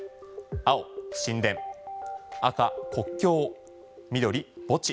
青、神殿赤、国境緑、墓地。